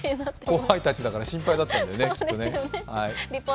後輩たちだから心配だったんだよね。